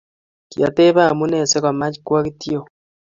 Kiatepe amune si komach kowa kityo